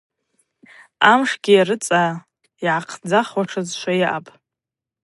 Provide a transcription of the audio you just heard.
Амшгьи рыцӏа йгӏахъдзушызшва йаъапӏ.